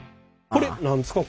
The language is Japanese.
これ何ですか？